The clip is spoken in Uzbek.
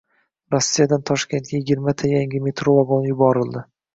Rossiyadan Toshkentgayigirmata yangi metro vagoni yuborildi